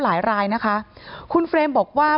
รายนะคะคุณเฟรมบอกว่า